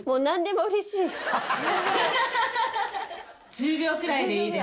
１０秒くらいでいいです。